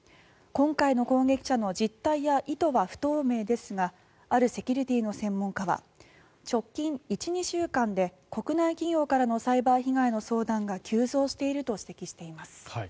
今回の攻撃者の実態や意図は不透明ですがあるセキュリティーの専門家は直近１２週間で国内企業からのサイバー被害の相談が急増していると指摘しています。